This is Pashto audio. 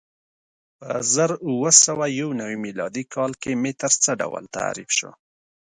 په زر اووه سوه یو نوې میلادي کال کې متر څه ډول تعریف شو؟